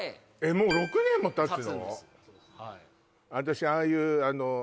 もう６年もたつの？